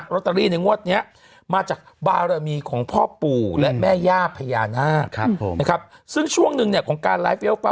ลอตเตอรี่ในงวดนี้มาจากบารมีของพ่อปู่และแม่ย่าพญานาคนะครับซึ่งช่วงหนึ่งเนี่ยของการไลฟ์เฟี้ยวฟ้า